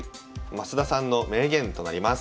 増田さんの名言となります。